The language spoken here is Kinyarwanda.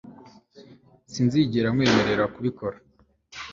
Sinzigera nkwemerera kubikora